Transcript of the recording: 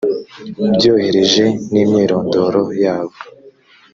ubyohereje n’imyirondoro yabo